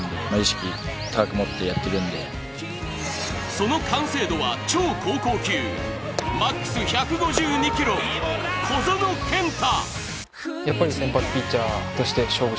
その完成度は超高校級ＭＡＸ１５２キロ、小園健太。